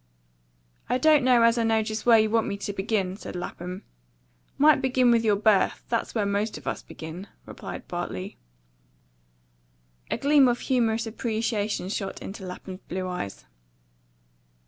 "I don't know as I know just where you want me to begin," said Lapham. "Might begin with your birth; that's where most of us begin," replied Bartley. A gleam of humorous appreciation shot into Lapham's blue eyes.